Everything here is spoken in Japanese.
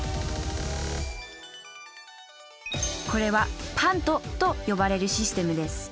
これは「ＰＡＮＴ」と呼ばれるシステムです。